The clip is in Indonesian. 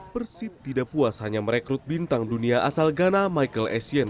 persib tidak puas hanya merekrut bintang dunia asal ghana michael essien